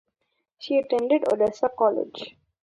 She attended Odessa College.